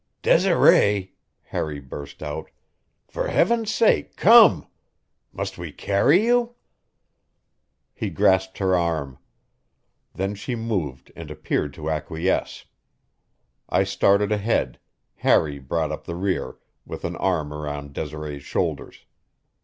"Desiree," Harry burst out, "for Heaven's sake, come! Must we carry you?" He grasped her arm. Then she moved and appeared to acquiesce. I started ahead; Harry brought up the rear, with an arm round Desiree's shoulders.